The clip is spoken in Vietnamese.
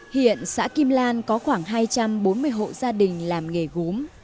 hiện xã kim lan có khoảng hai trăm bốn mươi hộ gia đình làm nghề gốm